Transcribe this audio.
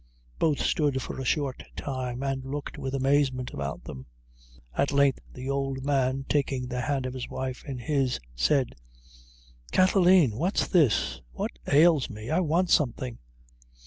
Both stood for a short time, and looked with amazement about them. At length, the old man, taking the hand of his wife in his, said "Kathleen, what's this? what ails me? I want something."